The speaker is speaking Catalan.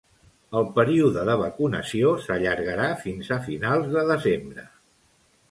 El període de vacunació s'allargarà fins a finals de desembre.